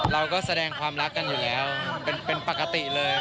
เราก็แสดงความรักกันอยู่แล้วเป็นปกติเลย